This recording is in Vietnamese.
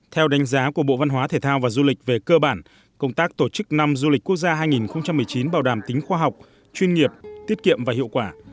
theo đánh giá của bộ văn hóa thể thao và du lịch về cơ bản công tác tổ chức năm du lịch quốc gia hai nghìn một mươi chín bảo đảm tính khoa học chuyên nghiệp tiết kiệm và hiệu quả